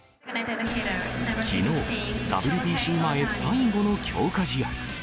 きのう、ＷＢＣ前、最後の強化試合。